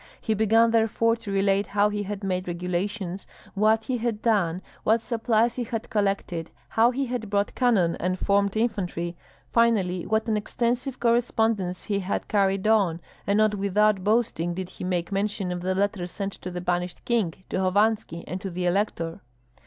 He began therefore to relate how he had made regulations, what he had done, what supplies he had collected, how he had brought cannon, and formed infantry, finally what an extensive correspondence he had carried on; and not without boasting did he make mention of the letters sent to the banished king, to Hovanski, and to the elector.